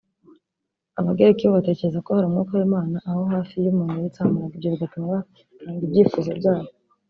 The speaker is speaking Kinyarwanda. Abagereki bo batekerezaga ko hari umwuka w’Imana aho hafi iyo umuntu yitsamuraga ibyo bigatuma batanga ibyifuzo byabo